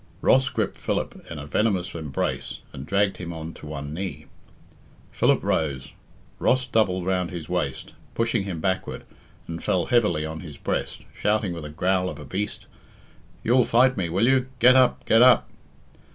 Ross gripped Philip in a venomous embrace, and dragged him on to one knee. Philip rose, Ross doubled round his waist, pushing him backward, and fell heavily on his breast, shouting with the growl of a beast, "You'll fight me, will you? Get up, get up!"